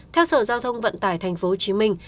theo sở giao thông vận tải thành phố hồ chí minh